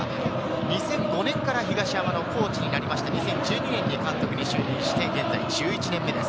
２００５年から東山のコーチになりまして、２０１２年に監督就任して現在１１年目です。